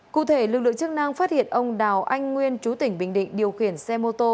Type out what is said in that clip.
cụ thể lực lượng chức năng phát hiện ông đào anh nguyên chú tỉnh bình định điều khiển xe mô tô